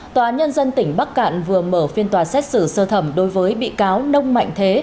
tòa án nhân dân tỉnh bắc cạn vừa mở phiên tòa xét xử sơ thẩm đối với bị cáo nông mạnh thế